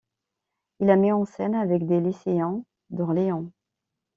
Il la met en scène avec des lycéens d'Orléans.